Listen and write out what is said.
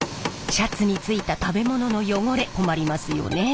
シャツについた食べ物の汚れ困りますよね？